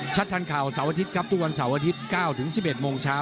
ชัดทางข่าวเสาร์อาทิตย์๙๑๑โมงเช้า